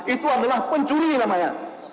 itu adalah pencuri namanya